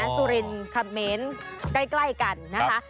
สุรินคำเมนใกล้กันนะคะ